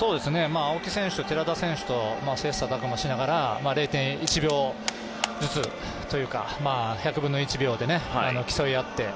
青木選手、寺田選手と切磋琢磨しながら０．１秒ずつというか１００分の１秒で競い合って。